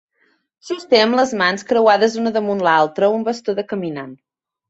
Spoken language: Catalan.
Sosté amb les mans, creuades una damunt l'altra, un bastó de caminant.